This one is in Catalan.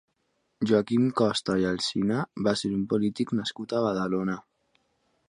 Joaquim Costa i Alsina va ser un polític nascut a Badalona.